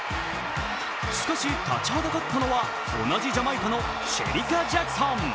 しかし、立ちはだかったのは同じジャマイカのシェリカ・ジャクソン。